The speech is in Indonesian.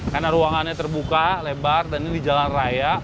karena ruangannya terbuka lebar dan ini di jalan raya